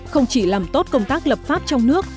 không chỉ làm tốt công tác lập pháp trong nước